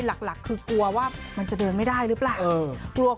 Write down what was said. หลักคือกลัวว่ามันจะเดินไม่ได้หรือเปล่า